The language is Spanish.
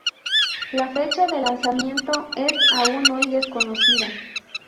La fecha de lanzamiento es, aún hoy, desconocida.